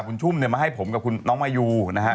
คุณชุมเนี่ยมาให้ผมกับคุณน้องมายูนะฮะ